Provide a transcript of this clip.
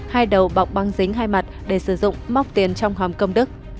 hai đầu bọc băng dính hai mặt để sử dụng móc tiền trong hòm công đức